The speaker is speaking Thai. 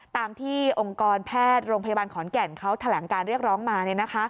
ตามที่องค์กรแพทย์โรงพยาบาลขอนแก่นเขาแถลงการเรียกร้องมา